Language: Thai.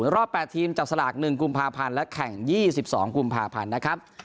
รอบ๘ทีมจับสลาก๑กุมภาพันธ์และแข่ง๒๒กุมภาพันธ์นะครับ